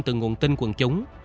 từ nguồn tin quần chúng